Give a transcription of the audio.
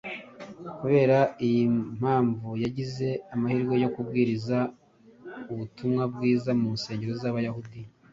Kubera iyi mpamvu yagize amahirwe yo kubwiriza ubutumwa bwiza mu nsengero z’Abayahudi